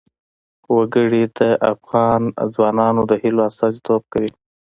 وګړي د افغان ځوانانو د هیلو استازیتوب کوي.